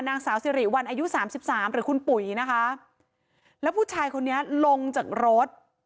นางสาวสิริวัลอายุสามสิบสามหรือคุณปุ๋ยนะคะแล้วผู้ชายคนนี้ลงจากรถ